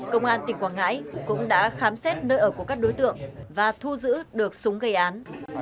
công an tỉnh quảng ngãi cũng đã khám xét nơi ở của các đối tượng và thu giữ được súng gây án